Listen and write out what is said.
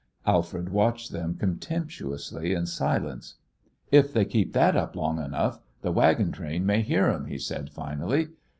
Alfred watched them contemptuously in silence. "If they keep that up long enough, the wagon train may hear 'em," he said, finally.